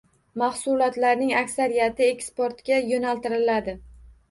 Mahsulotlarning aksariyati eksportga yo‘naltiriladi